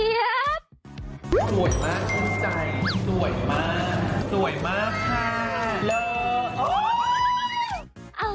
สวยมากชื่นใจสวยมากสวยมากค่ะ